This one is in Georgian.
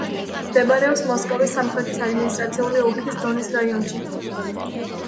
მდებარეობს მოსკოვის სამხრეთის ადმინისტრაციული ოლქის დონის რაიონში.